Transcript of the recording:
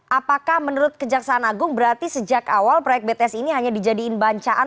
apakah menurut kejaksaan agung berarti sejak awal proyek bts ini hanya dijadikan bancaan